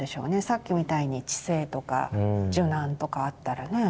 さっきみたいに知性とか受難とかあったらね。